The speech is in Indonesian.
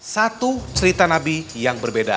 satu cerita nabi yang berbeda